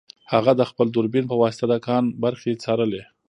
هغه د خپل دوربین په واسطه د کان برخې څارلې